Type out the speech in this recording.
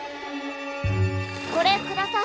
これください。